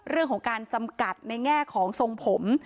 เรื่องของการจำกัดในแง่ของทรงผม